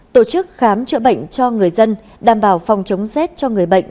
tổ chức khám chữa bệnh cho người dân đảm bảo phòng chống rét cho người bệnh